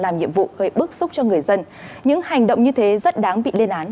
làm nhiệm vụ gây bức xúc cho người dân những hành động như thế rất đáng bị lên án